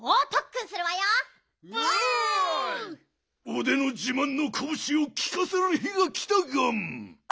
おでのじまんのこぶしをきかせる日がきたガン。